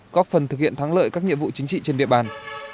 góp phần thực hiện thắng lợi các nhiệm vụ chính trị trên địa bàn